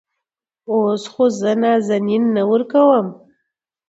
اوس خو زه نازنين نه ورکوم.